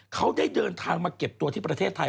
เขาได้เดินทางมาเก็บตัวที่ประเทศไทย